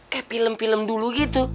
kayak film film dulu gitu